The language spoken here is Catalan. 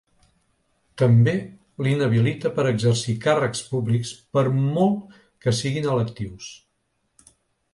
També l’inhabilita per exercir càrrecs públics ‘per molt que siguin electius’.